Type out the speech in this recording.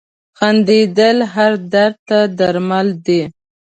• خندېدل هر درد ته درمل دي.